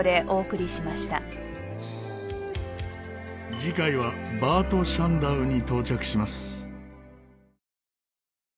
次回はバート・シャンダウに到着します。